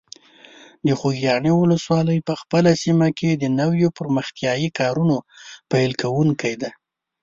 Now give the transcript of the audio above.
د خوږیاڼي ولسوالۍ په خپله سیمه کې د نویو پرمختیایي کارونو پیل کوونکی ده.